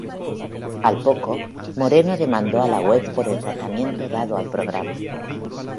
Al poco, Moreno demandó a la web por el tratamiento dado al programa.